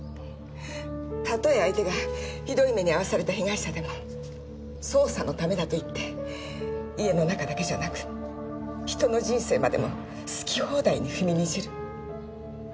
たとえ相手がひどい目に遭わされた被害者でも捜査のためだと言って家の中だけじゃなく人の人生までも好き放題に踏みにじる。